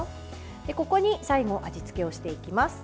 ここに最後味付けをしていきます。